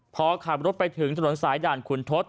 พอขับรถไปถึงถนนสายด่านขุนทศ